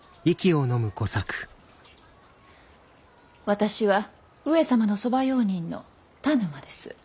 私は上様の側用人の田沼です。